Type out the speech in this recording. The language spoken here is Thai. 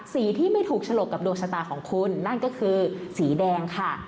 สีที่ไม่ถูกฉลกกับดวงชะตาของคุณนั่นก็คือสีแดงค่ะ